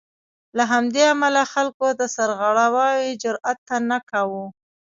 له همدې امله خلکو د سرغړاوي جرات نه کاوه.